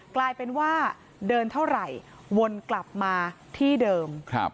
กลายเป็นว่าเดินเท่าไหร่วนกลับมาที่เดิม